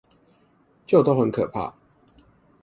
就都很可怕